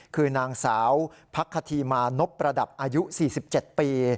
คือนางสาวพักคธีมานพประดับอายุ๔๗ปี